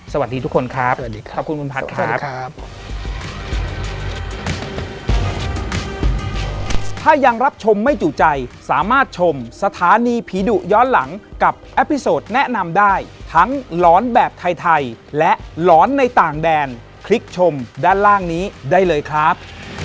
สวัสดีทุกคนครับสวัสดีครับขอบคุณคุณพัฒน์ครับ